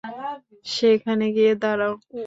সেখানে গিয়ে দাঁড়াও।